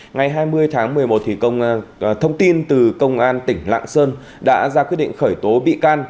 ngày hai mươi tháng một mươi một thông tin từ công an tỉnh lạng sơn đã ra quyết định khởi tố bị can